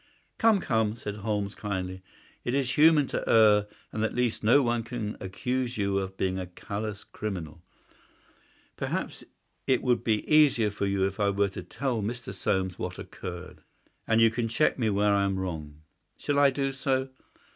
"Come, come," said Holmes, kindly; "it is human to err, and at least no one can accuse you of being a callous criminal. Perhaps it would be easier for you if I were to tell Mr. Soames what occurred, and you can check me where I am wrong. Shall I do so?